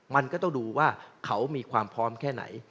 มันก็ต้องดูว่าเขามีความพร้อมแค่ไหน